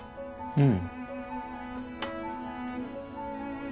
うん。